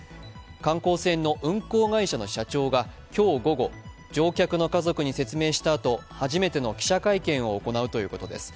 観光船の運航会社の社長が今日午後、乗客の家族に説明したあと、初めての記者会見を行うということです。